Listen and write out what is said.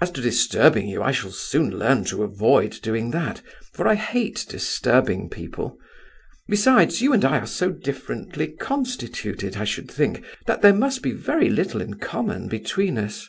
As to disturbing you I shall soon learn to avoid doing that, for I hate disturbing people. Besides, you and I are so differently constituted, I should think, that there must be very little in common between us.